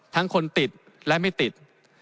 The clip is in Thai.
ทั้งคนติดและไม่ติด